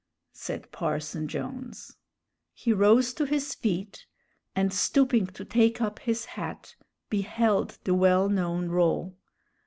said Parson Jones. He rose to his feet, and, stooping to take up his hat, beheld the well known roll.